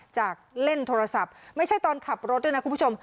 จากเล่นโทรศัพท์ไม่ใช่ตอนขับรถด้วยนะคุณผู้ชม